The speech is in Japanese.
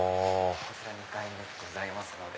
こちら２階にございますので。